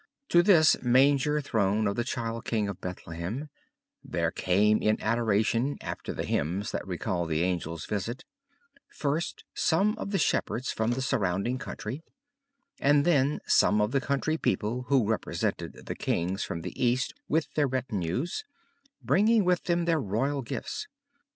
To this manger throne of the Child King of Bethlehem, there came in adoration, after the hymns that recalled the angels' visit, first some of the shepherds from the surrounding country and then some of the country people who represented the kings from the East with their retinues, bringing with them their royal gifts.